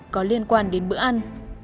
có liên quan đến bữa ăn